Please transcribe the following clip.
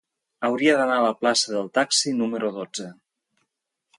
Hauria d'anar a la plaça del Taxi número dotze.